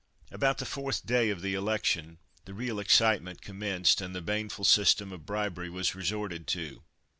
About the fourth day of the election the real excitement commenced, and the baneful system of bribery was resorted to.